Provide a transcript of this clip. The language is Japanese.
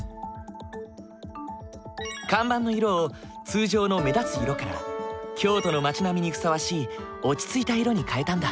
看板の色を通常の目立つ色から京都の町並みにふさわしい落ち着いた色に変えたんだ。